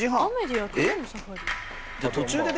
えっ？